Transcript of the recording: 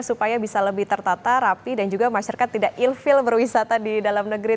supaya bisa lebih tertata rapi dan juga masyarakat tidak elvil berwisata di dalam negeri